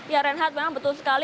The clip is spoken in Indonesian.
ya renhat memang betul sekali